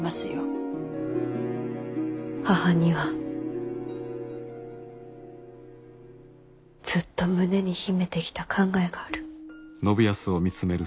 母にはずっと胸に秘めてきた考えがある。